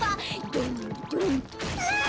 ドンドン！